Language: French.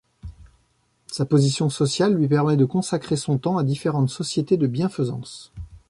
Sa position sociale lui permet de consacrer son temps à différentes sociétés de bienfaisance.